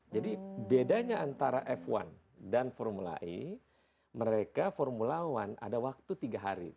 jadi bedanya antara f satu dan formula e mereka formula satu ada waktu tiga hari